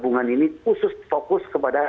sehingga sar gabungan ini khusus fokus kepada